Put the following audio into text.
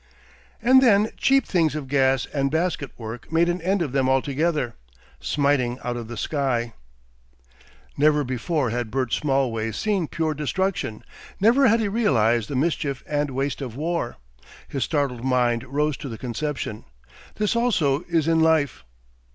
And then cheap things of gas and basket work made an end of them altogether, smiting out of the sky!... Never before had Bert Smallways seen pure destruction, never had he realised the mischief and waste of war. His startled mind rose to the conception; this also is in life.